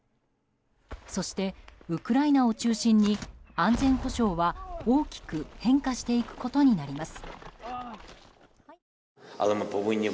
そして、ウクライナを中心に安全保障は大きく変化していくことになります。